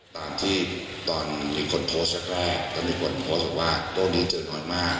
ตามที่ตอนมีคนโพสต์แรกก็มีคนโพสต์บอกว่าโรคนี้เจอน้อยมาก